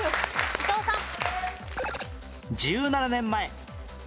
伊藤さん。